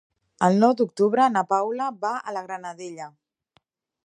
El nou d'octubre na Paula va a la Granadella.